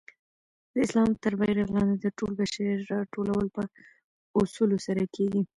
د اسلام تر بیرغ لاندي د ټول بشریت راټولول په اصولو سره کيږي.